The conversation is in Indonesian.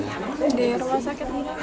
di rumah sakit